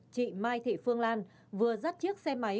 chị mai thị phương lan vừa dắt chiếc xe máy